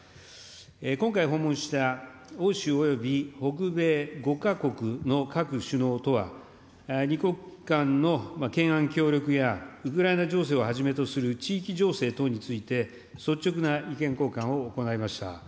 今回訪問した欧州および北米５か国の各首脳とは、２国間の懸案協力やウクライナ情勢をはじめとする地域情勢等について、率直な意見交換を行いました。